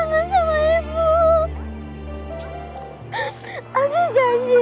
asri jangan merebutkan ibu lagi